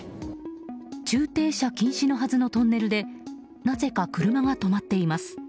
駐停車禁止のはずのトンネルでなぜか、車が止まっています。